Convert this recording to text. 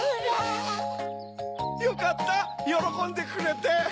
よかったよろこんでくれて。